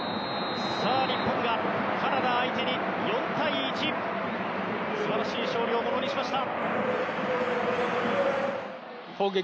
日本がカナダ相手に４対１素晴らしい勝利をものにしました。